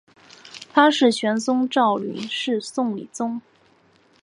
他的玄孙赵昀是宋理宗。